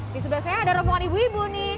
di sebelah saya ada rombongan ibu ibu nih